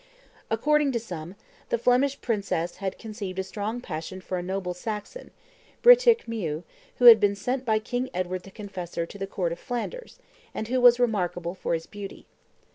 According to some, the Flemish princess had conceived a strong passion for a noble Saxon, Brihtric Meaw, who had been sent by King Edward the Confessor to the court of Flanders, and who was remarkable for his beauty.